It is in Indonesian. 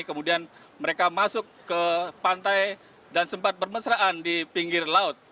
kemudian mereka masuk ke pantai dan sempat bermesraan di pinggir laut